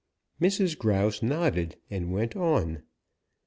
Mrs. Grouse nodded and went on.